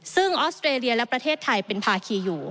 ซึ่งออสเตรเลียและประเทศไทยเป็นภาคีอยู่